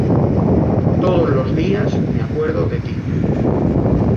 Todos los días me acuerdo de ti.